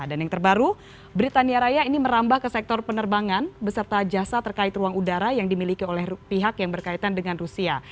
dan yang terbaru britania raya ini merambah ke sektor penerbangan beserta jasa terkait ruang udara yang dimiliki oleh pihak yang berkaitan dengan rusia